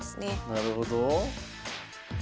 なるほど。